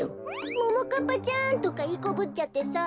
ももかっぱちゃんとかいいこぶっちゃってさ。